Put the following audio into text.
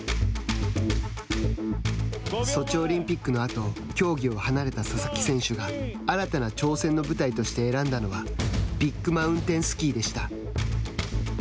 ソチオリンピックのあと競技を離れた佐々木選手が新たな挑戦の舞台として選んだのはビッグマウンテンスキーでした。